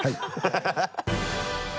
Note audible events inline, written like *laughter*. ハハハ *laughs*